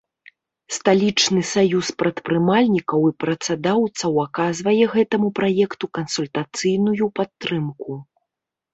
Сталічны саюз прадпрымальнікаў і працадаўцаў аказвае гэтаму праекту кансультацыйную падтрымку.